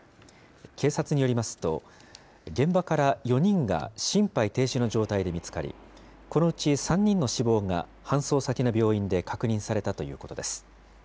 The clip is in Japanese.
警察によりますと、現場から４人が心肺停止の状態で見つかり、このうち３人の死亡が搬送先の病院で確認されたということです。